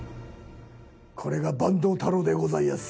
これが坂東太郎でございやす。